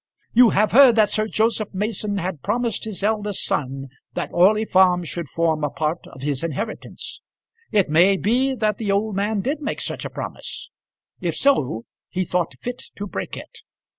You have heard that Sir Joseph Mason had promised his eldest son that Orley Farm should form a part of his inheritance. It may be that the old man did make such a promise. If so, he thought fit to break it.